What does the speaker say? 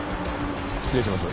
失礼します。